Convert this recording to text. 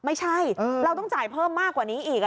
ไม่ใช่เราต้องจ่ายเพิ่มมากกว่านี้อีก